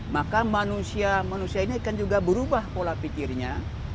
maka manusia manusia ini kan juga berubah pola pikirnya